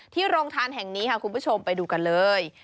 โรงทานแห่งนี้ค่ะคุณผู้ชมไปดูกันเลย